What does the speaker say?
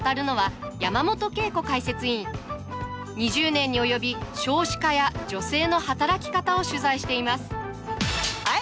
２０年に及び少子化や女性の働き方を取材しています